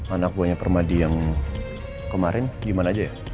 anak buahnya permadi yang kemarin gimana aja ya